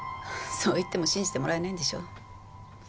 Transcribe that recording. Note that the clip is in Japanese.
そう言っても信じてもらえないんでしょ？